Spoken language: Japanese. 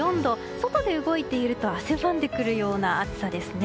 外で動いていると汗ばんでくるような暑さですね。